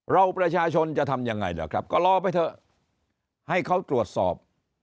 ประชาชนจะทำยังไงล่ะครับก็รอไปเถอะให้เขาตรวจสอบ